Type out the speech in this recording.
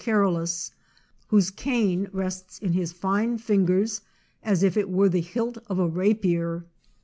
Carolus, whose cane rests in his fine fingers as if it were the hilt of a rapier.